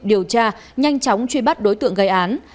điều tra nhanh chóng truy bắt đối tượng gây án